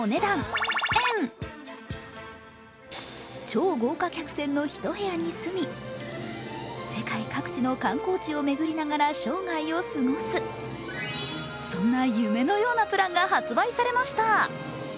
超豪華客船の一部屋に住み世界各地の観光地を巡りながら生涯を過ごすそんな夢のようなプランが発売されました。